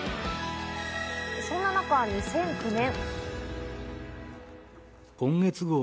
そんな中、２００９年。